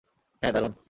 হ্যাঁ, দারুণ।